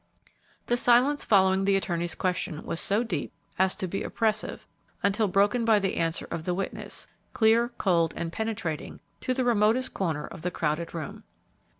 The silence following the attorney's question was so deep as to be oppressive until broken by the answer of the witness, clear, cold, and penetrating to the remotest corner of the crowded room.